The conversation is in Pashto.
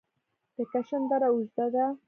د کشم دره اوږده ده